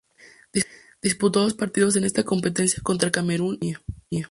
Disputó dos partidos en esta competición contra Camerún y Colombia.